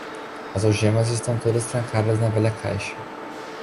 As algemas estão todas trancadas na velha caixa.